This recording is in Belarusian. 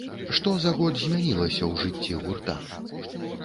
Што за год змянілася ў жыцці гурта?